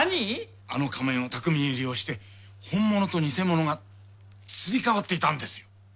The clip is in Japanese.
あの仮面を巧みに利用して本物と偽者がすり替わっていたんですよ。